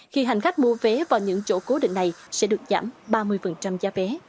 khi hành khách mua vé vào những chỗ cố định này sẽ được giảm ba mươi giá vé